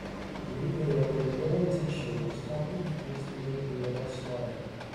A little girl in a yellow tshirt is tumbling towards the end of a yellow slide.